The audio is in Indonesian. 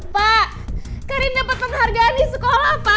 pak karin dapet penghargaan di sekolah pak